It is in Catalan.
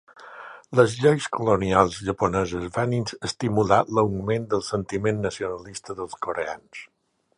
Les lleis colonials japoneses van estimular l'augment del sentiment nacionalista dels coreans.